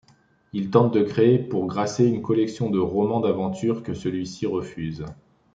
Il tente de créer pour Grasset une collection de romans d'aventures que celui-ci refuse.